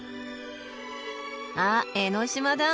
あっ江の島だ！